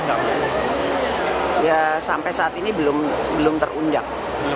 namanya ya sampai saat ini belum belum terundang belum terundang